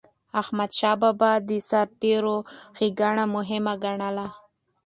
احمدشاه بابا به د سرتيرو ښيګڼه مهمه ګڼله.